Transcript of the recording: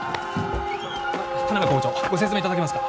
田邊校長ご説明いただけますか？